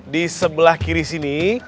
di sebelah kiri sini